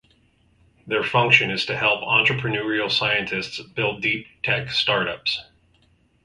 Their function is to help entrepreneurial scientists build Deep Tech startups.